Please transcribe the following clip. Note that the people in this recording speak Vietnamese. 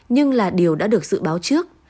nhưng là điều đã được dự báo trước